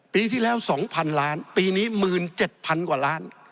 ปีที่แล้ว๒๐๐๐ล้านปีนี้๑๗๐๐กว่าล้าน